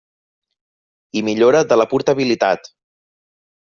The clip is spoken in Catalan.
I millora de la portabilitat.